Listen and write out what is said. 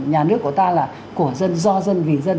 nhà nước của ta là của dân do dân vì dân